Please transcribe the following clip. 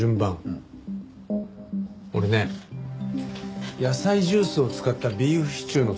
俺ね野菜ジュースを使ったビーフシチューの作り方